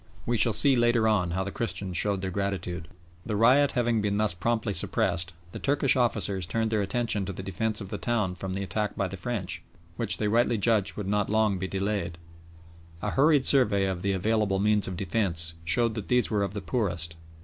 We shall see later on how the Christians showed their gratitude. The riot having been thus promptly suppressed, the Turkish officers turned their attention to the defence of the town from the attack by the French, which they rightly judged would not long be delayed. A hurried survey of the available means of defence showed that these were of the poorest.